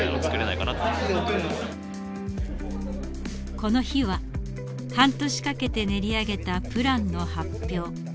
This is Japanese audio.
この日は半年かけて練り上げたプランの発表。